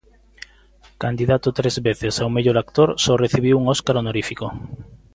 Candidato tres veces ao mellor actor, só recibiu un Óscar honorífico.